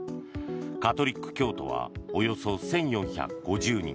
カトリック教徒はおよそ１４５０人。